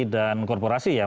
dan korporasi ya